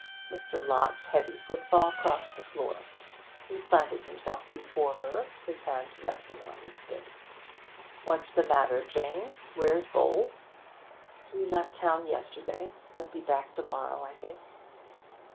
Mr. Lott's heavy footfall crossed the floor. He planted himself before her, his hands resting on his stick. 'What's the matter, Jane? Where's Bowles?' 'He left town yesterday. He'll be back to morrow, I think.'